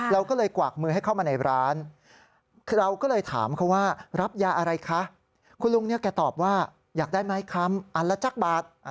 เราก็เลยกวากมือให้เข้ามาในร้าน